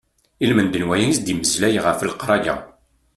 Ilmend n waya i as-d-mmeslay ɣef leqraya.